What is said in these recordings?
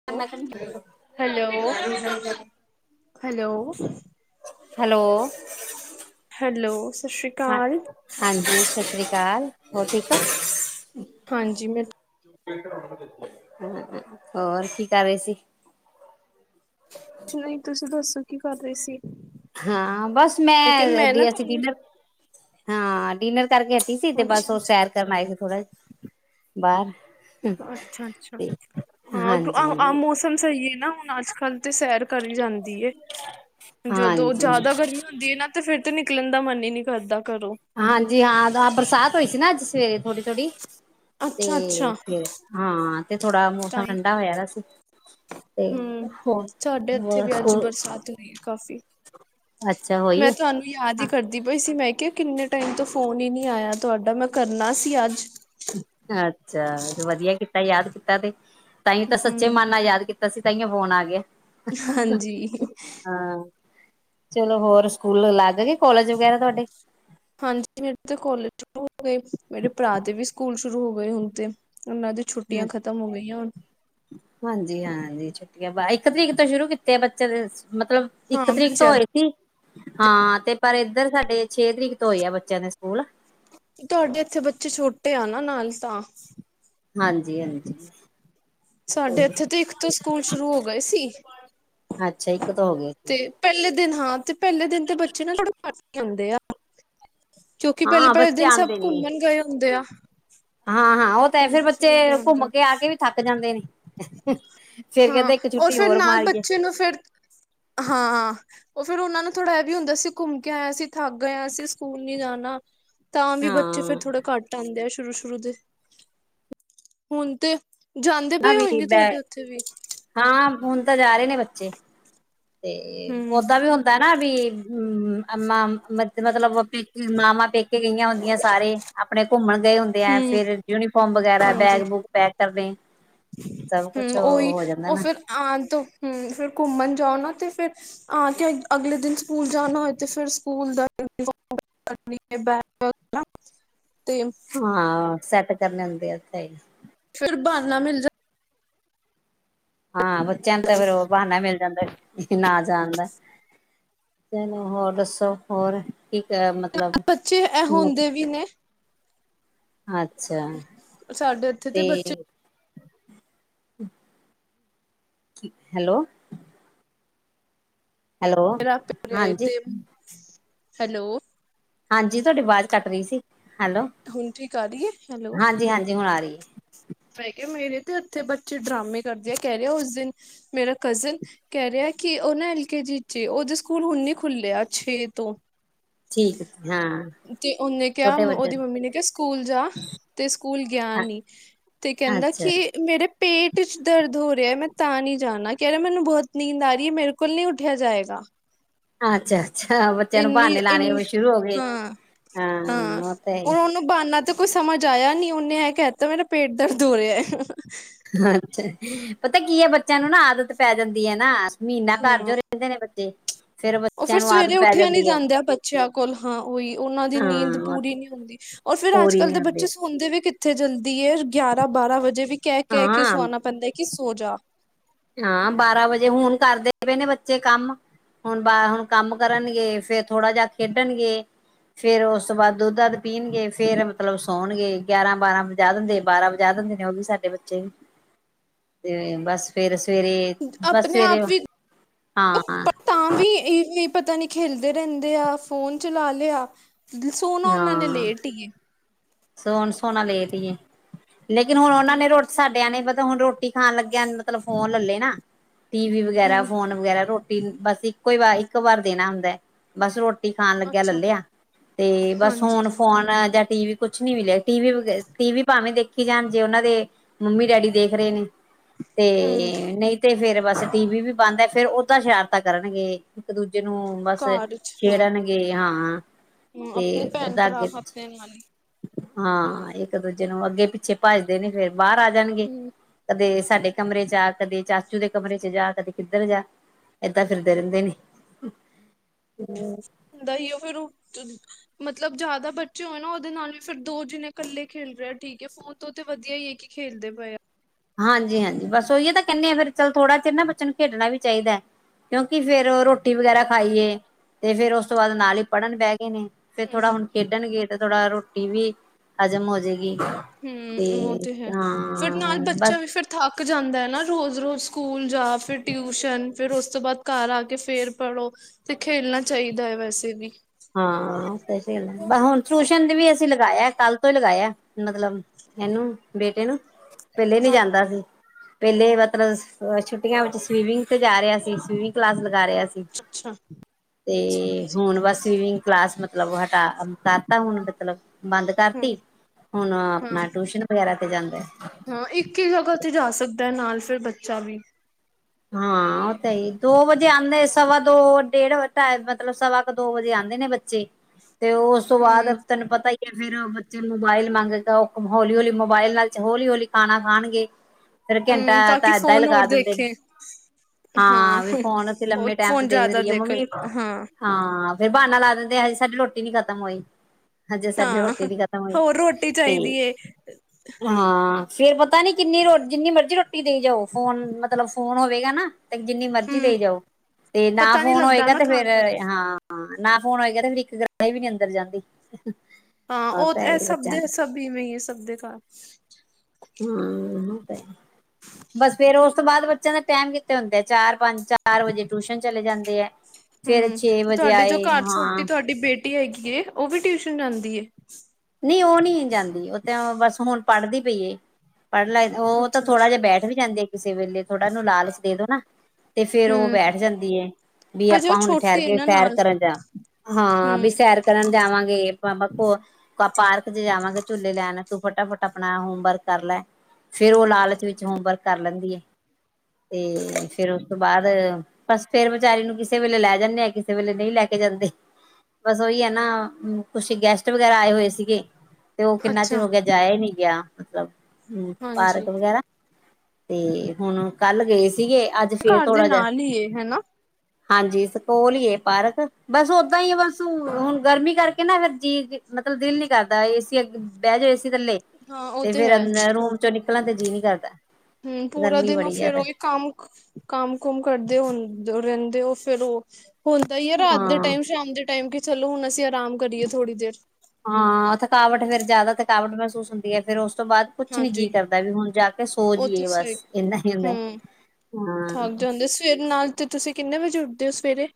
[unintelligible] Hello -hello. Hello hello, ਸਸ੍ਰੀ ਅਕਾਲ। ਜੀ ਸਸ਼੍ਰੀ ਅਕਾਲ। ਹੋਰ ਠੀਕ ਓ? ਹਾਂਜੀ, ਮੈਂ ਹੋਰ, ਹੋਰ ਕੀ ਕਰ ਰਹੇ ਸੀ ਨਹੀਂ, ਤੁਸੀਂ ਦੱਸੋ ਕੀ ਕਰ ਰਹੇ ਸੀ ਹਾਂ ਬਸ ਕਿਹਾ ਮੈਂ ਡੀ ਨਾ ਐਚ ਪੀ ਤੁਹਾਨੂੰ ਡਿਨਰ, ਹਾਂ ਡਿਨਰ ਕਰਕੇ ਹਟੀ ਸੀ ਠੀਕ ਹੈ ਤੇ ਬਸ ਅੱਛਾ ਉਹ ਸੈਰ ਕਰਨ ਆਏ ਸੀ ਥੋੜਾ ਜਿਹਾ, ਬਾਹਰ ਅੱਛਾ-ਅੱਛਾ, ਤੇ ਹਾਂ ਅੰਮ ਹਾਂਜੀ ਅੰਮਮੋਸ ਇਕਦਮ ਸਹੀਏ ਨਾ, ਹੁਣ ਅੱਜ ਕੱਲ ਤੇ ਸੈਰ ਕਰੀ ਜਾਂਦੀ ਏ, ਜਦੋਂ ਹਾਂਜੀ। ਜ਼ਿਆਦਾ ਗਰਮੀ ਹੁੰਦੀ ਹੈ ਨਾ ਤੇ ਫੇਰ ਤੇ ਨਿਕਲਣ ਦਾ ਮਨ ਹੀ ਨੀ ਕਰਦਾ ਘਰੋਂ ਹਾਂਜੀ, ਹਾਂ ਬਰਸਾਤ ਹੋਈ ਸੀ ਨਾ ਅੱਜ ਸਵੇਰੇ ਥੋੜੀ- ਥੋੜੀ ਅੱਛਾ ਤੇ ਅੱਛਾ ਫੇਰ ਹਾਂ ਤੇ ਥੋੜਾ ਤਾਂ ਮੌਸਮ ਹੀ ਠੰਡਾ ਹੋਇਆ ਦਾ ਸੀ। ਤੇ ਹਮ ਹੋਰ ਸਾਡੇ ਇੱਥੇ ਵੀ ਅੱਜ ਬਰਸਾਤ ਹੋਈ ਹੈ ਕਾਫ਼ੀ [unintelligible] ਅੱਛਾ ਹੋਹੀ ਮੈਂ ਏ ਤੁਹਾਨੂੰ ਯਾਦ ਹੀ ਕਰਦੀ ਪਈ ਸੀ, ਮੈਂ ਕਿਹਾ ਕਿੰਨੇ ਟਾਈਮ ਤੋਂ ਫੋਨ ਹੀ ਨਹੀਂ ਆਇਆ ਤੁਹਾਡਾ, ਮੈਂ ਕਰਨਾ ਸੀ ਅੱਜ? ਅੱਛਾ ਵਧੀਆ ਕੀਤਾ, ਯਾਦ ਕੀਤਾ ਤੇ ਤਹੀ ਤਾਂ ਸੱਚੇ ਹੂੰ, ਮਨ ਨਾਲ ਯਾਦ ਕੀਤਾ ਬਸ ਤਾਂਹੀਓਂ ਫੋਨ ਆ ਗਿਆ। ਹਾਂਜੀ। ਹਾਂ, ਚਲੋ ਹੋਰ ਸਕੂਲ ਲੱਗ ਗਏ ਕੋਲੇਜ ਵਗੈਰਾ ਤੁਹਾਡੇ। ਹਾਂਜੀ ਮੇਰੇ ਤੇ ਕੋਲਜ ਸ਼ੁਰੂ ਹੋ ਗਏ, ਮੇਰੇ ਭਰਾ ਦੇ ਵੀ ਸਕੂਲ ਸ਼ੁਰੂ ਹੋ ਗਏ ਹੁਣ ਤੇ, ਉਹਨਾਂ ਦੇ ਛੁੱਟੀਆਂ ਖਤਮ ਹੋ ਗਈਆਂ ਹੁਣ ਹਾਂਜੀ ਹਾਂ ਹਾਂਜੀ, ਛੁੱਟੀਆਂ ਬਾਵ ਇੱਕ ਤਰੀਕ ਤੋਂ ਸ਼ੁਰੂ ਕੀਤੇ ਬੱਚੇ ਦੇ ਮਤਲਬ ਇੱਕ ਹਾਂ ਤਰੀਕ ਤੋਂ ਬੱਚਿਆਂ ਹੋਏ ਦੀ। ਸੀ, ਹਾਂ ਤੇ ਪਰ ਇੱਧਰ ਸਾਡੇ ਛੇ ਤਰੀਕ ਤੋਂ ਹੋਏ ਆ ਬੱਚਿਆਂ ਦੇ ਸਕੂਲ ਤੁਹਾਡੇ ਇੱਥੇ ਬੱਚੇ ਛੋਟੇ ਆ ਨਾਲ ਤਾ। ਹਾਂਜੀ, ਹਾਂਜੀ। ਸਾਡੇ ਇੱਥੇ ਤੇ ਇੱਕ ਤੋਂ ਸਕੂਲ ਸ਼ੁਰੂ ਹੋ ਗਏ ਸੀ। ਅੱਛਾ ਇੱਕ ਤੋਂ ਹੋ ਗਏ ਸੀ ਤੇ ਪਹਿਲੇ ਦਿਨ ਹਾਂ ਤੇ ਪਹਿਲੇ ਦਿਨ ਤੇ ਬੱਚੇ ਬੱਚੇ ਥੋੜੇ ਘੱਟ ਆਉਂਦੇ ਆ, ਕਿਉਂਕਿ ਹਾਂ ਪਹਿਲੇ-ਪਹਿਲੇ ਬੱਚੇ ਦਿਨ ਸਭ ਆਉਂਦੇ ਨੀ ਘੁੰਮਣ ਗਏ ਹੁੰਦੇ ਆ। ਹਾਂ- ਹਾਂ ਉਹ ਤਾਂ ਹੈ, ਫੇਰ ਘੁੰਮਣ ਬੱਚੇ ਫਿਰਨ ਗਏ ਹੁੰਦੇ ਘੁੰਮ ਕੇ ਆ ਕੇ ਵੀ ਥੱਕ ਜਾਂਦੇ ਨੇ। ਫੇਰ ਕਹਿੰਦੇ ਇੱਕ ਛੁੱਟੀ ਹੋਰ ਮਾਰੀਏ। ਨਾ ਫੇਰ ਹਾਂ, ਹਾਂ। ਔਹ ਫੇਰ ਉਹਨਾ ਨੂੰ ਥੋੜ੍ਹਾ ਇਹ ਵੀ ਹੁੰਦਾ ਅਸੀਂ ਘੁੰਮ ਕੇ ਆਇਆ, ਅਸੀ ਥੱਕ ਗਏ ਆ, ਅਸੀਂ ਸਕੂਲ ਨੀ ਜਾਣਾ। ਤਾਂ ਵੀ ਬੱਚੇ ਫੇਰ ਹਾਂ ਥੋੜ੍ਹੇ ਘੱਟ ਘੱਟ ਆਦੇ ਆ, ਸ਼ੁਰੂ- ਸ਼ੁਰੂ ਦੇ ਹੁਣ ਤੇ ਜਾਂਦੇ ਨਾ ਵੀ ਕਾ ਬੈ ਤੁਹਾਡੇ ਉੱਥੇ ਵੀ ਹਾਂ ਹੁਣ ਤਾਂ ਜਾ ਰਹੇ ਨੇ ਬੱਚੇ, ਤੇ ਹਮ ਓਦਾਂ ਵੀ ਹੁੰਦਾ ਨਾ ਵੀ ਹਮ, ਮਾ ਮਤਲਬ ਪੇਕੇ ਮਾਵਾਂ ਪੇਕੇ ਗਈਆਂ ਹੁੰਦੀਆਂ ਸਾਰੇ ਆਪਣੇ ਘੁੰਮਣ ਗਏ ਹੁੰਦੇ ਆ, ਹਮ ਫੇਰ ਯੂਨੀਫਾਰਮ ਵਗੈਰਾ ਬੈਗ, ਹਾਂਜੀ ਬੂਗ ਪੈਕ ਕਰਨੇ ਸਭ ਕੁਛ ਹੋ ਜਾ ਔਹ ਫੇਰ ਆਉਣ ਤੋਂ ਫਿਰ ਘੁੰਮਣ ਜਾਓ ਨਾ ਤੇ ਫੇਰ ਆ ਕੇ ਅਗਲੇ ਦਿਨ ਸਕੂਲ ਜਾਣਾ ਹੋਏ ਤੇ ਫੇਰ ਸਕੂਲ ਦਾ [unintelligible] [unintelligible] ਬੈਗ ਨਾ ਤੇ ਹਮ, ਸੈੱਟ ਕਰਨੇ ਹੁੰਦੇ ਆ ਉਥੇ ਹੀ। ਫੇਰ ਬਹਾਨਾ ਮਿਲ ਜਾ ਹਾਂ ਬੱਚਿਆਂ ਨੂੰ ਜਾਂਦਾ ਤਾਂ ਏ ਫੇਰ ਉਹ ਬਹਾਨਾ ਮਿਲ ਜਾਂਦਾ ਏ। ਕਿ ਨਾ ਜਾਣਦਾ, ਤੈਨੂੰ ਹੋਰ ਦੱਸੋ ਹੋਰ? ਠੀਕ ਐ ਮਤਲਬ ਬੱਚੇ ਇਹ ਹੂੰ ਹੁੰਦੇ ਵੀ ਨੇ ਅੱਛਾ ਸਾਡੇ ਇੱਥੇ ਤੇ ਬੱਚੇ ਕੀ ਹੈਲੋ। ਹੈਲੋ ਮੈਂ ਰੱਖ ਕੇ ਆਈ, ਹਾਂਜੀ ਤੇ ਹੈਲੋ। ਹਾਂਜੀ ਤੁਹਾਡੀ ਆਵਾਜ਼ ਕੱਟ ਰਹੀ ਸੀ, ਹੈਲੋ ਹੁਣ ਠੀਕ ਆ ਰਹੀ ਹੈ ਹਾਂਜੀ, ਹਾਂਜੀ ਹੁਣ ਆ ਰਹੀ ਐ। ਮੈ ਕਿਹਾ ਮੇਰੇ ਤੇ ਇੱਥੇ ਬੱਚੇ ਡਰਾਮੇ ਕਰਦੇ ਆ, ਕਹਿ ਰਹੇ ਐ ਉਸ ਦਿਨ ਮੇਰਾ ਕਜ਼ਨ ਕਹਿ ਰਿਹਾ ਕਿ ਉਹ ਨਾ ਐਲ ਕੇ ਜੀ ਚ ਏ, ਉਹਦਾ ਸਕੂਲ ਹੁਣ ਨੀ ਖੁੱਲਿਆ ਛੇ ਤੋਂ ਠੀਕ ਏ ਹਾਂ। ਤੇ ਉਨੇ ਕਿਆ ਛੋਟੇ ਮ ਬੱਚੇ ਉਦੀ ਮੰਮੀ ਨੇ ਕਿਆ ਕਿ ਸਕੂਲ ਜਾ ਤੇ ਸਕੂਲ ਗਿਆ ਨਈ। ਤੇ ਕੈਂਦਾ ਅੱਛਾ ਕਿ ਮੇਰੇ ਪੇਟ 'ਚ ਦਰਦ ਹੋ ਰਿਆ ਮੈਂ ਤਾਂ ਨੀ ਜਾਣਾ ਕੈ ਰਿਆ ਮੈਨੂੰ ਬੋਤ ਨੀਂਦ ਆ ਰਈ ਐ‌ ਮੇਰੇ ਕੋ ਲੋ ਨੀ ਉੱਠੇਆ ਜਾਏਗਾ। ਅੱਛਾ-ਅੱਛਾ ਬੱਚਿਆਂ ਨੂੰ ਇੰਨੀ ਬਾਨੇ ਇੰਨੀ ਲਾਣੇ ਸ਼ੁਰੂ ਹੋ ਗਏ ਹਾਂ ਹਾਂ ਓ ਤੇ ਹੈ ਈ। ਬਾਨਾ ਤਾਂ ਕੋਈ ਸਮਝ ਆਇਆ ਨੀ ਉਨੇ ਐ ਕੈ ਤਾਂ ਮੇਰਾ ਪੇਟ ਦਰਦ ਹੋ ਰਿਆ। ਅੱਛਾ ਪਤਾ ਕੀ ਐ ਬੱਚਿਆਂ ਨੂੰ ਨਾ ਆਦਤ ਪੈ ਜਾਂਦੀ ਐ ਨਾ ਮ੍ਹੀਨਾ ਘਰ ਜੋ ਰੈਂਦੇ ਨੇ ਬੱਚ ਦੇ ਓ ਫਿਰ ਸਵੇਰੇ ਉੱਠਿਆ ਨੀ ਜਾਂਦਾ ਬੱਚਿਆਂ ਕੋਲ ਹਾਂ ਓਈ ਉਨਾਂ ਦੀ ਨੀਂਦ ਹਾਂ ਪੂਰੀ ਨੀ ਹੁੰਦੀ। ਓ ਫਿਰ ਪੂਰੀ ਅੱਜ-ਕੱਲ ਨੀ ਦੇ ਹੁੰਦੀ ਬੱਚੇ ਸ ਹੁੰਦੇ ਵੀ ਕਿੱਥੇ ਜਲਦੀ ਐ ਗਿਆਰਾਂ-ਬਾਰਾਂ ਵਜੇ ਵੀ ਕੈ-ਕੈ ਕੇ ਸੋ ਹਾਂ ਆਣਾ ਪੈਂਦਾ ਕਿ ਸੋ ਜਾ। ਹਾਂ ਬਾਰਾਂ ਵਜੇ ਹੁਣ ਕਰਦੇ ਪਏ ਨੇ ਬੱਚੇ ਕੰਮ ਹੁਣ ਬਾ ਹੁਣ ਕੰਮ ਕਰਨਗੇ ਫਿਰ ਥੋੜਾ ਜੇਹਾ ਖੇਡਣਗੇ ਫਿਰ ਉਸ ਤੋਂ ਬਾਦ ਦੁੱਧ ਦਧ ਪੀਣਗੇ ਫੇਰ ਮਤਲਬ ਸੌਣਗੇ ਗਿਆਰਾਂ ਬਾਰਾਂ ਵਜਾ ਦਿੰਦੇ ਬਾਰਾਂ ਵਜਾ ਦਿੰਦੇ ਨੇ ਓ ਵੀ ਸਾਡੇ ਬੱਚੇ ਵੀ ਤੇ ਬਸ ਫਿਰ ਸਵੇਰ-ਸਵੇਰੇ ਬਸ ਆਪਣੇ ਸਵੇਰੇ ਆਪ ਵੀ ਹਾਂ-ਹਾਂ। ਤਾਂ ਵੀ ਏ ਏ ਪਤਾ ਨੀ ਖੇਲਦੇ ਰੈਂਦੇ ਆ ਫੋਨ ਚਲਾ ਲਿਆ। ਦ ਸੋਨਾ ਉਨਾ ਨੇ ਹਾਂ ਲੇਟ ਈ ਏ। ਸੋਣ ਸੋਨਾ ਲੇਟ ਈ ਏ ਲੇਕਿਨ ਹੁਣ ਉਨਾਂ ਨੇ ਰੋ ਸਾਡਿਆਂ ਨੇ ਪਤਾ ਹੁਣ ਰੋਟੀ ਖਾਣ ਲੱਗਿਆ ਨ ਮਤਲਬ ਫੋਨ ਲੱ ਲੇ ਨਾ ਟੀ ਵੀ ਵਗੈਰਾ ਹੂੰ ਫੋਨ ਵਗੈਰਾ ਰੋਟੀ ਬਸ ਇੱਕ ਕੋਈ ਵਾ ਇੱਕ ਵਾਰ ਦੇਣਾ ਹੁੰਦਾ। ਬਸ ਰੋਟੀ ਖਾਣ ਲੱਗਿਆ ਅੱਛਾ ਲੱਲ ਲਿਆ ਤੇ ਬਸ ਹਾਂਜੀ ਹੁਣ ਫੋਨ ਜਾਂ ਟੀ ਵੀ ਕੁਛ ਨੀ ਮਿਲਿਆ ਟੀ ਵੀ ਵਗੈ ਟੀ ਵੀ ਭਾਵੇਂ ਦੇਖੀ ਜਾਣ ਜੇ ਉਨਾਂ ਦੇ ਮੰਮੀ ਡੈਡੀ ਦੇਖ ਰਏ ਨੇ। ਹੂੰ ਤੇ ਨਈ ਤੇ ਫਿਰ ਬਸ ਟੀ ਵੀ ਵੀ ਬੰਦ ਐ ਫੇਰ ਓਦਾਂ ਸ਼ਿਆਰਤਾਂ ਕਰਨਗੇ। ਇੱਕ-ਦੂਜੇ ਨੂੰ ਬਸ ਘਰ ਚ ਹਾਂ ਛੇੜਨਗੇ ਹਾਂ ਹੂੰ ਤੇ ਆਪਣੇ ਭੈਣ ਓਦਾ ਅੱਗੇ-ਪਿੱਛੇ [inaudible] ਹਾਂ ਇੱਕ-ਦੂਜੇ ਨੂੰ ਅੱਗੇ-ਪਿੱਛੇ ਭੱਜਦੇ ਨੇ ਫਿਰ ਬਾਰ ਆ ਜਾਣਗੇ। ਹੂੰ ਕਦੇ ਸਾਡੇ ਕਮਰੇ 'ਚ ਆ ਕਦੇ ਚਾਚੂ ਦੇ ਕਮਰੇ 'ਚ ਜਾ ਕਦੇ ਕਿੱਧਰ ਜਾ। ਏਦਾਂ ਫਿਰਦੇ ਰੈਂਦੇ ਨੇ। ਹੁੰਦਾ ਈ ਏ ਓ ਫਿਰ ਓ ਮਤਲਬ ਜਾਦਾ ਬੱਚੇ ਹੋਏ ਨਾ ਉਦੇ ਨਾਲ ਵੀ ਫਿਰ ਦੋ ਜਨੇ ਕੱਲੇ ਖੇਲ ਰਿਆ ਠੀਕ ਐ ਫੋਨ ਤੋਂ ਤੇ ਵਧੀਆ ਈ ਐ ਕਿ ਖੇਲਦੇ ਪਏ ਆ। ਹਾਂਜੀ-ਹਾਂਜੀ ਬਸ ਉਹੀਏ ਤਾਂ ਕੈਂਨੇ ਆ ਫਿਰ ਚੱਲ ਥੋੜਾ ਚਿਰ ਨਾ ਬੱਚਿਆ ਨੂੰ ਖੇਡਣਾ ਵੀ ਚਾਈਦਾ। ਕਿਉਂਕਿ ਫਿਰ ਓ ਰੋਟੀ ਵਗੈਰਾ ਖਾਈਏ। ਤੇ ਫਿਰ ਉਸ ਤੋਂ ਬਾਦ ਹਾਂਜੀ ਨਾਲ ਈ ਪੜ੍ਹਨ ਬੈ ਗਏ ਨੇ ਫਿਰ ਥੋੜ੍ਹਾ ਹਮ ਹੁਣ ਖੇਡਣਗੇ ਤੇ ਥੋੜਾ ਰੋਟੀ ਵੀ ਹਾਜ਼ਮ ਹੋਜੇਗੀ। ਹਮ ਤੇ ਉਹ ਹੈ ਫਿਰ ਨਾਲ ਹਾਂ। ਬੱਚਾ ਬਸ ਵੀ ਫਿਰ ਥੱਕ ਜਾਂਦਾ ਐ ਨਾ ਰੋਜ਼-ਰੋਜ਼ ਸਕੂਲ ਜਾ ਫਿਰ ਟਿਊਸ਼ਨ ਫਿਰ ਉਸ ਤੋਂ ਬਾਦ ਘਰ ਆ ਕੇ ਫਿਰ ਪੜ੍ਹੋ ਤੇ ਖੇਲਣਾ ਚਾਈਦਾ ਏ ਵੈਸੇ ਵੀ ਹਾਂ ਹੁਣ ਤੇ ਖੇਲਣ ਬ ਹੁਣ ਟੂਸ਼ਨ ਤੇ ਵੀ ਅਸੀਂ ਲਗਾਇਆ ਕੱਲ ਤੋਂ ਈ ਲਗਾਇਆ ਮਤਲਬ ਏਨੂੰ ਬੇਟੇ ਨੂੰ ਪੈਲੇ ਨੀ ਜਾਂਦਾ ਸੀ। ਪੈਲੇ ਮਤਲਬ ਅ ਛੁੱਟੀਆਂ ਵਿੱਚ ਸਵੀਮਿੰਗ ਤੇ ਜਾ ਰਿਆ ਸੀ ਸਵੀਮਿੰਗ ਕਲਾਸ ਲਗਾ ਰਿਆ ਸੀ। ਅੱਛਾ ਤੇ ਹੁਣ ਬਸ ਸਵੀਮਿੰਗ ਕਲਾਸ ਮਤਲਬ ਹਟਾ ਹਟਤਾ ਹੁਣ ਮਤਲਬ ਬੰਦ ਹਮ ਕਰਤੀ ਹੁਨ ਹਾਂ ਆਪਨਾ ਟੂਸ਼ਨ ਵਗੈਰਾ ਤੇ ਜਾਂਦੈ। ਹਾਂ ਇੱਕ ਈ ਜਗਾ ਤੇ ਜਾ ਸਕਦਾ ਨਾਲ ਫਿਰ ਬੱਚਾ ਵੀ। ਹਾਂ। ਓ ਤੇ ਦੋ ਵਜੇ ਆਂਦੇ ਸਵਾ ਦੋ ਡੇਢ ਢਾ ਮਤਲਬ ਸਵਾ ਕ ਦੋ ਵਜੇ ਆਂਦੇ ਨੇ ਬੱਚੇ ਤੇ ਓਸ ਤੋਂ ਹਮ ਬਾਦ ਤੈਨੂੰ ਪਤਾ ਈ ਤੇ ਫੇਰ ਬੱਚੇ ਨੂੰ ਮੋਬਾਇਲ ਮੰਗ ਓ ਹੌਲੀ-ਹੌਲੀ ਮੋਬਾਇਲ ਨਾਲ ਹੌਲੀ-ਹੌਲੀ ਖਾਨਾ ਖਾਨਗੇ। ਫੇਰ ਘੈਂਟਾ ਹਮ ਕਿ ਤਾਂ ਏਦਾਂ ਈ ਫੋਨ ਲਗਾ ਹੋਰ ਦਿੰਦੇ ਨੇ। [inaudible] ਹਾਂ ਵੇ ਫੋਨ ਅਸੀਂ ਉਹ ਲੰਮੇ ਟੈਮ ਤੇ ਫੋਨ ਦੇਖਦੇ ਜ਼ਿਆਦਾ ਰਈਏ ਦੇਖਣ ਮੰਮੀ ਹਾਂ ਹਾਂ ਫੇਰ ਬਾਨਾ ਲਾ ਦਿੰਦੇ ਐ ਹਜੇ ਸਾਡੀ ਰੋਟੀ ਨੀ ਖਤਮ ਹੋਈ। ਹਜੇ ਸਾਡੇ ਹਾਂ ਰੋਟੀ ਨੀ ਖ਼ਤਮ ਹੋਈ ਹੋਰ ਰੋਟੀ ਤੇ ਚਾਹੀਦੀ ਏ ਹਾਂ ਫੇਰ ਪਤਾ ਨੀ ਕਿੰਨੀ ਰੋ ਜਿੰਨੀ ਮਰਜ਼ੀ ਰੋਟੀ ਦੇਈ ਜਾਓ ਫੋਨ ਮਤ ਮਤਲਬ ਫੋਨ ਹੋਵੇਗਾ ਨਾ ਤੇ ਜਿੰਨੀ ਮਰਜ਼ੀ ਹਮ ਦੇਈ ਜਾਓ, ਤੇ ਨਾ ਪਤਾ ਨੀ ਫੋਨ ਲੱਗਦਾ ਹੋਏਗਾ ਨਾ ਤੇ ਖਾਣ ਫੇਰ ਦਾ ਹਾਂ ਹਾਂ ਨਾ ਫੋਨ ਹੋਏਗਾ ਤੇ ਫੇਰ ਇੱਕ ਗਰਾਰੀ ਵੀ ਨੀ ਅੰਦਰ ਜਾਂਦੀ। ਹਾਂ ਆਹ ਓ ਹੈ ਤਾਂ ਏ ਹੀ ਸਬ ਬੱਚਿਆਂ ਦੇ ਦੀ ਸਬ ਈਵੀਂ ਏ ਸਬ ਦੇ ਘਰ। ਹਾਂ ਓ ਤਾ ਹੈ। ਬਸ ਫੇਰ ਓਸ ਤੋਂ ਬਾਦ ਬੱਚਿਆਂ ਦਾ ਟੈਮ ਕਿੱਥੇ ਹੁੰਦਾ ਚਾਰ-ਪੰਜ, ਚਾਰ ਵਜੇ ਟੂਸਨ ਚਲੇ ਜਾਂਦੇ ਐ। ਹੂੰ ਤੇ ਤੁਆਡੇ ਜੋ ਘਰ ਛੋਟੀ ਤੁਆਡੀ ਬੇਟੀ ਹੈਗੀ ਏ ਓ ਵੀ ਟਿਊਸ਼ਨ ਜਾਂਦੀ ਏ। ਨਈਂ ਓ ਨੀ ਜਾਂਦੀ ਓ ਤਾਂ ਬਸ ਹੁਨ ਪੜਦੀ ਪਈ ਏ ਪੜ੍ਹ ਲੈ ਓ ਤਾਂ ਅੱਛਾ ਥੋੜਾ ਅੱਛਾ ਜਾ ਬੈਠ ਏ ਵੀ ਜਾਂਦੀ ਆ ਕਿਸੇ ਵੇਲੇ ਥੋੜਾ ਓਨੂੰ ਲਾਲਚ ਦੇ ਦੋ ਨਾ। ਤੇ ਫੇਰ ਓ ਹਮ ਬੈਠ ਜਾਂਦੀ ਏ ਬੀ ਹਜੇ ਉਹ ਆਪਾਂ ਹੁਨ ਠੈਰ ਛੋਟੇ ਕੇ ਨਾ ਸੈਰ ਨਾਲ ਕਰਨ ਜਾਨਾ ਹਾਂ ਹਮ ਵੀ ਸੈਰ ਕਰਨ ਜਾਵਾਂਗੇ ਆਪਾਂ ਮਖੋ ਆਪਾਂ ਪਾਰਕ ਚ ਜਾਵਾਂਗੇ ਝੂਲੇ ਲੈਨ ਤੂੰ ਫਟਾਫਟ ਆਪਨਾ ਹੋਮਵਰਕ ਕਰ ਲੈ। ਫੇਰ ਓ ਲਾਲਚ ਵਿੱਚ ਹੋਮਵਰਕ ਕਰ ਲੈਂਦੀ ਏ, ਤੇ ਫੇਰ ਉਸ ਤੋਂ ਬਾਦ ਬਸ ਫੇਰ ਵਿਚਾਰੀ ਨੂੰ ਕਿਸੇ ਵੇਲੇ ਲੈ ਜਾਂਨੇ ਆਂ ਕਿਸੇ ਵੇਲੇ ਨਈਂ ਲੈ ਕੇ ਜਾਂਦੇ। ਬਸ ਓਈ ਐ ਨਾ ਕੁਛ ਗੈਸਟ ਵਗੈਰਾ ਆਏ ਹੋਏ ਸੀਗੇ ਤੇ ਓ ਕਿੰਨਾ ਚਿਰ ਅੱਛਾ ਹੋ ਗੇਆ ਜਾਏਆ ਈ ਨਈ ਗੇਆ, ਮਤਲਬ ਹੂੰ ਹਾਂਜੀ ਪਾਰਕ ਵਗੈਰਾ ਤੇ ਹੁਨ ਕੱਲ ਗਏ ਸੀਗੇ ਅੱਜ ਫੇਰ ਘਰ ਦੇ ਥੋੜਾ ਜਾ ਨਾਲ ਹੀ ਏ ਹਨਾ ਹਾਂਜੀ ਸ ਕੋਲ ਈ ਏ ਪਾਰਕ ਬਸ ਓਦਾਂ ਈ ਬਸ ਹੁਨ ਗਰਮੀ ਕਰਕੇ ਨਾ ਫੇਰ ਜੀਅ ਮਤਲਬ ਦਿਲ ਨੀ ਕਰਦਾ ਏਸੀ ਅੱਗੇ ਬੈ ਜੋ ਏਸੀ ਥੱਲੇ ਹਾਂ ਉਹ ਤੇ ਫੇਰ ਹੈ ਅੰਦਰ ਰੂਮ ਚੋਂ ਨਿਕਲਾ ਤੇ ਜੀਅ ਨੀ ਕਰਦਾ। ਹੂੰ ਪੂਰਾ ਗਰਮੀ ਦਿਨ ਓ ਬੜੀ ਫੇਰ ਜ਼ਿਆਦਾ ਓਈ ਕੰਮ ਕੰਮ ਕੁੰਮ ਕਰਦੇ ਹੁੰ ਰੈਂਦੇ ਓਂ ਫੇਰ ਓ, ਹੁੰਦਾ ਈ ਐ ਰਾਤ ਦੇ ਹਾਂ। ਟੈਮ ਸ਼ਾਮ ਦੇ ਟੈਮ ਕੇ ਚਲੋ ਹੁਨ ਅਸੀਂ ਅਰਾਮ ਕਰੀਏ ਥੋੜੀ ਦੇਰ। ਹਾਂ ਥਕਾਵਟ ਫੇਰ ਜਾਦਾ ਥਕਾਵਟ ਮਹਿਸੂਸ ਹੁੰਦੀ ਐ ਫੇਰ ਓਸ ਤੋਂ ਬਾਦ ਕੁਛ ਨੀ ਹਾਂਜੀ ਜੀਅ ਕਰਦਾ ਵੀ ਹੁਨ ਜਾ ਕੇ ਸੋ ਉਹ ਤਾਂ ਜੀਏ ਸਹੀ ਬਸ ਏਨਾ ਈ ਹੁੰਦਾ। ਹਮ ਹਾਂ ਥੱਕ ਜਾਂਦੇ ਸਵੇਰੇ ਨਾਲ ਤੇ ਤੁਸੀਂ ਕਿੰਨੇ ਵਜੇ ਉੱਠਦੇ ਓ ਸਵੇਰੇ।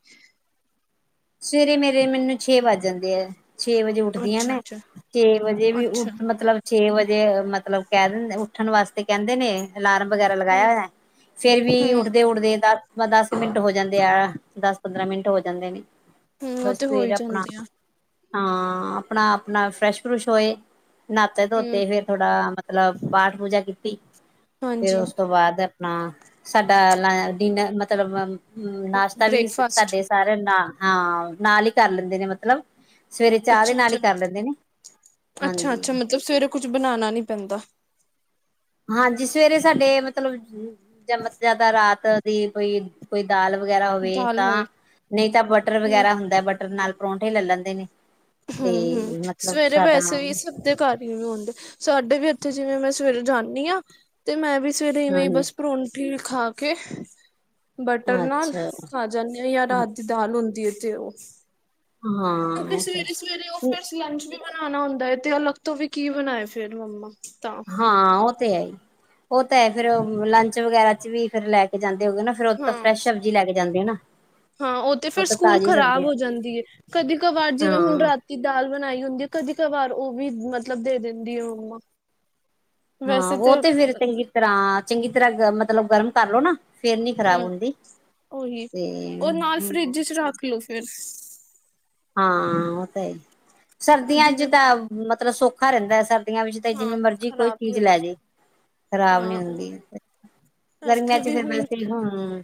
ਸਵੇਰੇ ਮੇਰੇ ਮੈਨੂੰ ਛੇ ਵੱਜ ਜਾਂਦੇ ਐ। ਛੇ ਵਜੇ ਉੱਠਦੀ ਆ ਅੱਛਾ ਮੈਂ, ਅੱਛਾ ਛੇ ਵਜੇ ਵੀ ਅੱਛਾ ਉੱਠ ਮਤਲਬ ਛੇ ਵਜੇ ਮਤਲਬ ਕੈ ਦਿੰਦੇ ਉੱਠਨ ਵਾਸਤੇ ਕੈਂਦੇ ਨੇ ਅਲਾਰਮ ਵਗੈਰਾ ਹਮ ਲਗਾਏਆ ਹੋਏਆ, ਫੇਰ ਵੀ ਹਮ ਉੱਠਦੇ-ਉੱਠਦੇ ਦ ਬਸ ਦਸ ਕ ਮਿੰਟ ਹੋ ਜਾਂਦੇ ਆ ਦਸ ਪੰਦਰਾਂ ਮਿੰਟ ਹੋ ਜਾਂਦੇ ਨੇ। ਹਮ ਉਹ ਬਸ ਤੇ ਹੋ ਫੇਰ ਹੀ ਆਪਨਾ ਜਾਂਦੇ ਆ ਹਾਂ ਆਪਨਾ-ਆਪਨਾ ਫਰੈਸ਼-ਫਰੁਸ਼ ਹੋਏ, ਹਮ ਨਾਤੇ-ਧੋਤੇ ਫੇਰ ਥੋੜਾ ਮਤਲਬ ਪਾਠ-ਪੂਜਾ ਕੀਤੀ, ਫੇਰ ਹਾਂਜੀ ਓਸ ਤੋਂ ਬਾਦ ਹ ਸਾਡਾ ਲ ਡਿਨਰ ਮਤਲਬ ਨਾਸ਼ਤਾ ਵੀ ਬ੍ਰੇਕਫਾਸਟ ਸਾਡੇ ਸਾਰੇ ਨਾ ਹਾਂ। ਨਾਲ ਹੀ ਕਰ ਲੈਂਦੇ ਨੇ ਮਤਲਬ ਸਵੇਰੇ ਚਾਹ ਦੇ ਅੱਛਾ ਨਾਲ ਈ ਅੱਛਾ ਕਰ ਲੈਂਦੇ ਨੇ, ਹਾਂਜੀ। ਕੁਝ ਬਣਾਣਾ ਨੀ ਪੈਂਦਾ। ਹਾਂਜੀ, ਸਵੇਰੇ ਸਾਡੇ ਮਤਲਬ ਜ-ਜਿਆਦਾ ਰਾਤ ਦੀ ਕੋਈ ਕੋਈ ਦਾਲ ਵਗੈਰਾ ਹੋਵੇ ਦਾਲ ਹੋਏ ਤਾਂ ਨਹੀਂ ਤਾਂ ਬਟਰ ਹਮ ਵਗੈਰਾ ਹੁੰਦਾ। ਬਟਰ ਨਾਲ ਪਰੌਂਠੇ ਲੈ ਲੈਂਦੇ ਨੇ। ਹੂੰ-ਹੂੰ। ਤੇ ਮਤਲਬ ਸਵੇਰੇ ਸਾਡਾ ਵੈਸੇ ਵੀ ਸਭਦੇ ਘਰ ਈ ਨੀ ਆਉਂਦੇ ਸਾਡੇ ਵੀ ਇੱਥੇ ਜਿਵੇਂ ਮੈਂ ਸਵੇਰੇ ਜਾਂਨੀ ਆ ਤੇ ਮੈਂ ਵੀ ਸਵੇਰੇ ਇਵੇਂ ਹੀ ਹਾਂਜੀ ਬਸ ਪਰੋਠੇ ਖਾ ਕੇ ਬਟਰ ਨਾਲ ਅੱਛਾ ਖਾ ਜਾਂਨੇ ਆ ਜਾਂ ਰਾ ਦਾਲ ਹੁੰਦੀ ਐ ਤੇ ਉਹ ਹਾਂ ਕਿਉਂਕਿ ਉਹ ਤੇ ਹੈ। ਸਵੇਰੇ-ਸਵੇਰੇ ਓ ਫੇਰ ਲੰਚ ਵੀ ਬਣਾਨੲ ਹੁੰਦਾ ਐ ਤੇ ਅਲੱਗ ਤੋਂ ਵੀ ਕੀ ਬਣਾਏ ਫੇਰ ਮੰਮਾ ਤਾਂ ਹਾਂ, ਉਹ ਤੇ ਹੈ ਹੀ, ਉਹ ਤਾਂ ਹੈ ਫੇਰ ਲੰਚ ਵਗੈਰਾ ਚ ਵੀ ਫਰ ਲੈ ਜਾਂਦੇ ਹੋਗੇ ਫਿਰ ਉਹ ਹਾਂ ਫਰੈਸ਼ ਸਬਜ਼ੀ ਲੈ ਕੇ ਜਾਂਦੇ ਆ ਨਾ। ਹਾਂ ਉਹ ਤੇ ਫਿਰ ਤਾਂ ਸਕੂਲ ਤਾਜ਼ੀ ਖ਼ਰਾਬ ਸਬਜ਼ੀ ਹਾਂ ਹੋ ਜਾਂਦੀ ਐ। ਕਦੀ ਕ ਵਾਰ ਜਿਵੇਂ ਹੁਣ ਰਾਤ ਦਾਲ ਬਣਾਈ ਹੁੰਦੀ ਐ, ਕਦੀ ਕ ਵਾਰ ਉਹ ਵੀ ਮਤਲਬ ਦੇ ਦਿੰਦੀ ਆ ਮੰਮਾ। ਹਾਂ, ਉਹ ਤੇ ਫਿਰ ਚੰਗੀ-ਤਰ੍ਹਾਂ ਚੰਗੀ ਤਰ੍ਹਾਂ ਮਤਲਬ ਗਰਮ ਕਰਲੋ ਨਾ ਫਿਰ ਨੀ ਖ਼ਰਾਬ ਹੂੰ ਹੁੰਦੀ ਉਹੀ ਤੇ ਉਹ ਨਾਲ ਫਰਿੱਜ [unintelligible] ਹਾਂ ਓ ਤਾਂ ਹੈ ਈ। ਸਰਦੀਆਂ ਚ ਜਿਵੇਂ ਤਾਂ ਮਤਲਬ ਸੌਖਾ ਰਹਿੰਦੈ ਸਰਦੀ ਦੀਆਂ ਵਿੱਚ ਤੇ ਹਾਂ ਜਿਵੇਂ ਮਰਜੀ ਕੋਈ ਖ਼ਰਾਬ ਨੀ ਚੀਜ਼ ਲੈ ਹੁੰਦੀ ਜੇ, ਖਰਾਬ ਹਾਂ ਨੀ ਹੁੰਦੀ। ਗਰਮੀਆਂ ਇੱਥੇ ਵੀ ਹੁਣ ਚ [unintelligible] ਹੂੰ।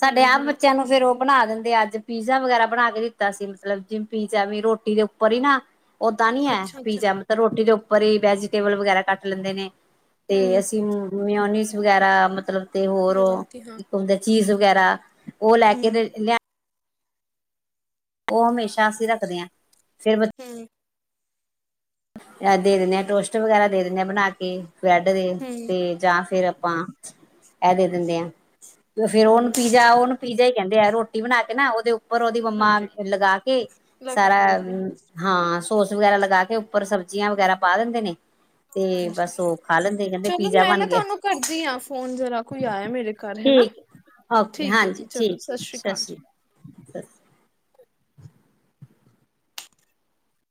ਸਾਡੇ ਹੂੰ ਆਪ ਹੂੰ ਬੱਚਿਆਂ ਨੂੰ ਫੇਰ ਉਹ ਬਣਾ ਦਿੰਦੇ ਐ, ਅੱਜ ਪੀਜ਼ਾ ਵਗੈਰਾ ਬਣਾ ਕੇ ਦਿੱਤਾ ਸੀ। ਮਤਲਬ ਜਿਵੇਂ ਪੀਜ਼ਾ ਵੀ ਰੋਟੀ ਦੇ ਉੱਪਰ ਈ ਨਾ ਓਦਾਂ ਨੀ ਐ ਅੱਛਾ ਅੱਛਾ ਪੀਜ਼ਾ ਰੋਟੀ ਦੇ ਉੱਪਰ ਈ ਵੈਜੀਟੇਬਲ ਵਗੈਰਾ ਕੱਟ ਲੈਂਦੇ ਨੇ ਤੇ ਹੂੰ ਅਸੀਂ ਮਿਓਨੀਸ ਵਗੈਰਾ ਮਤਲਬ ਤੇ ਹੋਰ ਲਗਾਤੀ ਹਾਂ ਇੱਕ ਹੁੰਦਾ ਚੀਜ਼ ਵਗੈਰਾ ਉਹ ਲੈ ਕੇ ਹੂੰ ਲਿਆ ਓ ਹਮੇਸ਼ਾ ਅਸੀਂ ਰੱਖਦੇ ਹਾਂ ਫਿਰ ਹਮ। ਦੇ ਦਿੰਨੇ ਆ, ਟੋਸਟ ਵਗੈਰਾ ਦੇ ਦਿੰਨੇ ਆ ਬਣਾ ਕੇ ਬ੍ਰੈਡ ਦੇ ਹੂੰ ਤੇ ਜਾਂ ਫੇਿਰ ਆਪਾਂ ਇਹ ਦੇ ਦਿੰਦੇ ਹਾਂ ਫਿਰ ਉਹਨੂੰ ਹੂੰ ਪੀਜ਼ਾ ਉਹਨੂੰ ਪੀਜ਼ਾ ਹੀ ਕਹਿੰਦੇ ਆ ਰੋਟੀ ਬਣਾ ਕੇ ਨਾ ਉਹਦੇ ਉੱਪਰ ਉਹਦੀ ਮੰਮਾ ਹਾਂਜੀ ਲਗਾ ਕੇ ਲਗਾ ਸਾਰਾ ਦਿੰਦੀ ਆ ਹਾਂਜੀ ਹਾਂ ਸੋਸ ਵਗੈਰਾ ਲਗਾ ਕੇ ਉੱਪਰ ਸਬਜ਼ੀਆਂ ਵਗੈਰਾ ਪਾ ਦਿੰਦੇ ਨੇ ਤੇ ਹਾਂਜੀ, ਬਸ ਉਹ ਖਾ ਲੈਂਦੇ ਕਹਿੰਦੇ ਚਲੋ ਪੀਜ਼ਾ ਮੈਂ ਬਣ ਨਾ ਗਿਆ ਤੁਹਾਨੂੰ ਕਰਦੀ ਆ ਫੋਨ। ਜਰਾ ਕੋਈ ਆਇਆ ਮੇਰੇ ਘਰ ਹੈ ਨਾ। ਠੀਕ ਓਕੇ, ਠੀਕ ਹਾਂਜੀ। ਠੀਕ ਐ। ਸਤਿ ਅਕਾਲ ਸ਼੍ਰੀ ਜੀ ਅਕਾਲ।